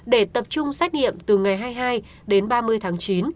để tập trung xét nghiệm từ ngày hai mươi hai đến ba mươi tháng chín